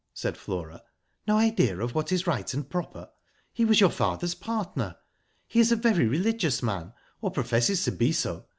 said Flora, "no idea Of what is right and proper? He was your father's partner. He is a very religious man, or professes to be so.